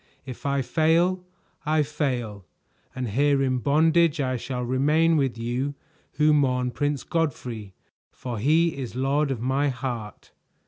If I fail, I fail, and here in bondage I shall remain with you who mourn Prince Godfrey, for he is lord of my heart."